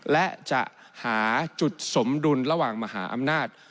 และจะหาจุดสมดุลระหว่างมหาอำนาจ